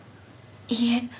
いいえ。